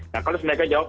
nah kalau mereka jawab